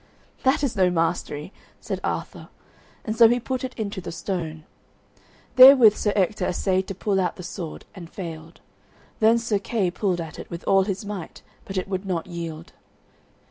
"That is no mastery," said Arthur, and so he put it into the stone. Therewith Sir Ector assayed to pull out the sword, and failed. Then Sir Kay pulled at it with all his might, but it would not yield.